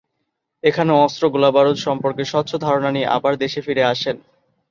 এখানে অস্ত্র গোলাবারুদ সম্পর্কে স্বচ্ছ ধারণা নিয়ে আবার দেশে ফিরে আসেন।